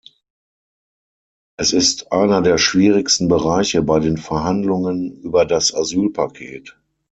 Es ist einer der schwierigsten Bereiche bei den Verhandlungen über das Asylpaket.